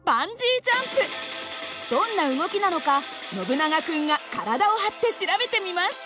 どんな動きなのかノブナガ君が体を張って調べてみます。